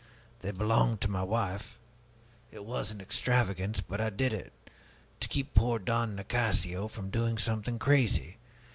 They belonged to my wife. It was an extravagance, but I did it, to keep poor Don Nicasio from doing something crazy.